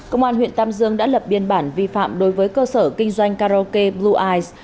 công an huyện tam dương đã lập biên bản vi phạm đối với cơ sở kinh doanh karaoke blue